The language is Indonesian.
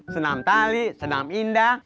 senam tali senam indah